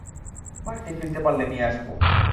বাড়িতে ফিরতে পারলে নিয়ে আসব।